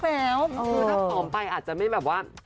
คือถ้าผอมไปอาจจะไม่แบบว่า